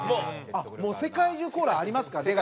あっ世界中コーラありますか？